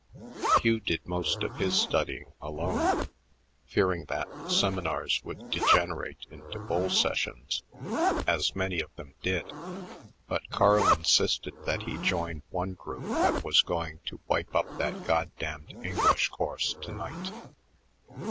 Hugh did most of his studying alone, fearing that the seminars would degenerate into bull sessions, as many of them did; but Carl insisted that he join one group that was going "to wipe up that goddamned English course to night."